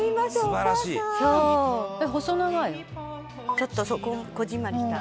「ちょっとこぢんまりした。